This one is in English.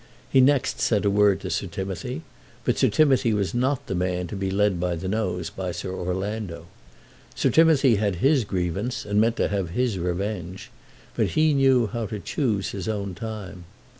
He next said a word to Sir Timothy; but Sir Timothy was not the man to be led by the nose by Sir Orlando. Sir Timothy had his grievances and meant to have his revenge, but he knew how to choose his own time.